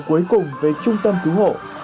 cuối cùng về trung tâm cứu hộ